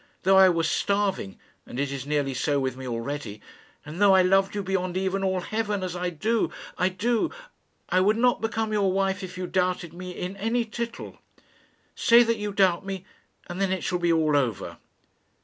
Though I were starving and it is nearly so with me already and though I loved you beyond even all heaven, as I do, I do I would not become your wife if you doubted me in any tittle. Say that you doubt me, and then it shall be all over."